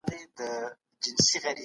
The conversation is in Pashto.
هر ټولنپوه په خپله برخه کې کار کوي.